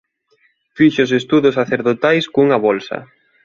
Fixo os estudos sacerdotais cunha bolsa.